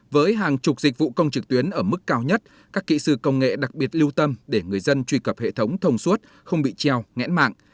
với hàng chục dịch vụ công trực tuyến ở mức cao nhất các kỹ sư công nghệ đặc biệt lưu tâm để người dân truy cập hệ thống thông suốt không bị treo ngãn mạng